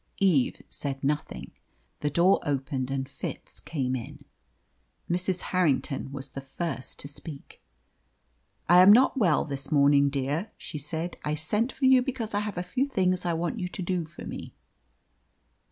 Eve said nothing. The door opened, and Fitz came in. Mrs. Harrington was the first to speak. "I am not well this morning, dear," she said. "I sent for you because I have a few things I want you to do for me."